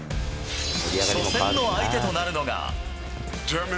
初戦の相手となるのが。